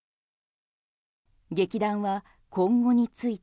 劇団は今後について。